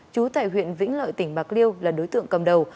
chú tại huyện vĩnh lợi tỉnh bạc liêu là đối tượng cầm đầu